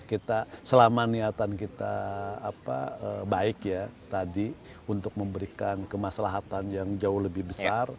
kita selama niatan kita baik ya tadi untuk memberikan kemaslahatan yang jauh lebih besar